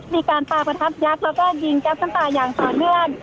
มีการปลาประทับยักษ์แล้วก็ยิงแก๊ปน้ำตาอย่างต่อเนื่อง